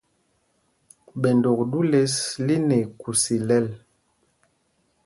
Ɓendok ɗû lěs lí nɛ ikûs ilɛl.